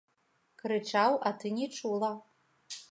Крычаў, а ты не чула.